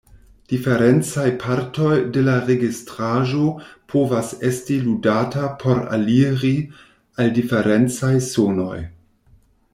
Diferencaj partoj de la registraĵo povas esti ludata por aliri al diferencaj sonoj.